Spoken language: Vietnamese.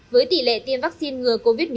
với tỷ lệ tiêm vaccine ngừa covid một mươi chín